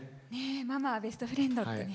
「ママはベスト・フレンド」ってね。